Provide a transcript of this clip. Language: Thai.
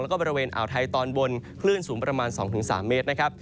แล้วก็บริเวณอ่าวไทยตอนบนคลื่นสูงประมาณ๒๓เมตรนะครับ